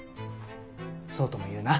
そうとも言うな。